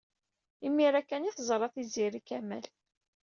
Imir-a kan ay teẓra Tiziri Kamal.